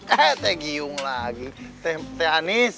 eh teh giung lagi teh anies